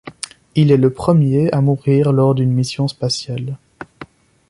Il est le premier à mourir lors d'une mission spatiale.